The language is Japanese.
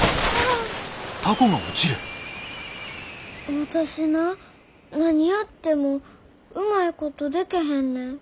私な何やってもうまいことでけへんねん。